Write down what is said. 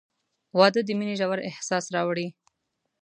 • واده د مینې ژور احساس راوړي.